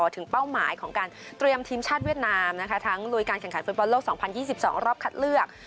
เป้าหมายของการเตรียมทีมชาติเวียดนามนะคะทั้งลุยการแข่งขันฟุตบอลโลก๒๐๒๒รอบคัดเลือก